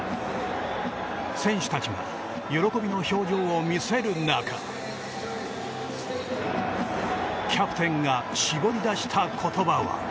選手たちが喜びの表情を見せる中キャプテンが絞り出した言葉は。